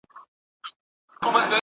له کغ کغا لوېدلي.